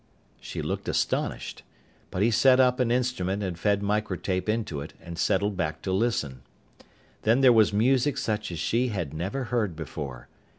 She looked astonished. But he set up an instrument and fed microtape into it and settled back to listen. Then there was music such as she had never heard before.